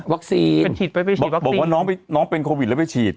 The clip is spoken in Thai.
ฉีดวัคซีนบอกว่าน้องเป็นโควิดแล้วไปฉีด